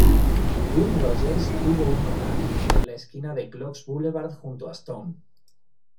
Will Rogers tuvo un hogar en la esquina de Clocks Boulevard junto a Stone.